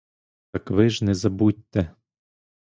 Так ви ж не забудьте!